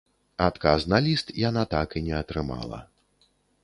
Адказ на ліст яна так і не атрымала.